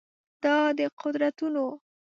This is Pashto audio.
دا د قدرتونو